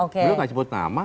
belum ngebut nama